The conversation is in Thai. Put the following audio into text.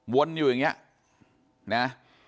วนอยู่อย่างเนี่ยนะ